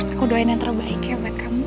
aku doain yang terbaik ya buat kamu